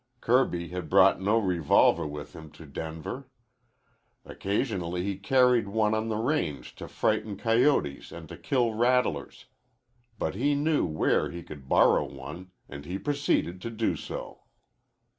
Kirby had brought no revolver with him to Denver. Occasionally he carried one on the range to frighten coyotes and to kill rattlers. But he knew where he could borrow one, and he proceeded to do so.